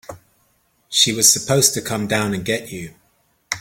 She was supposed to come down and get you.